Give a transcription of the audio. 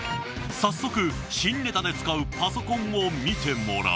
早速新ネタで使うパソコンを見てもらうと。